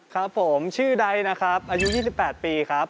ครับผมชื่อใดนะครับอายุ๒๘ปีครับ